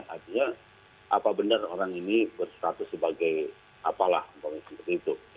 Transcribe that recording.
artinya apa benar orang ini berstatus sebagai apalah seperti itu